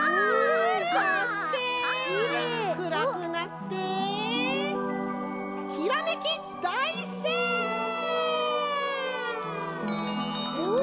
そしてくらくなってひらめきだいせいうん！